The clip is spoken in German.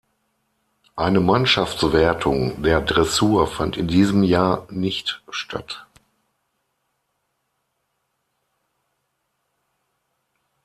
Eine Mannschaftswertung der Dressur fand in diesem Jahr nicht statt.